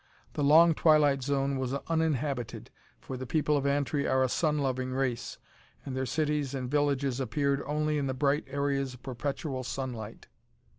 The long twilight zone was uninhabited, for the people of Antri are a sun loving race, and their cities and villages appeared only in the bright areas of perpetual sunlight.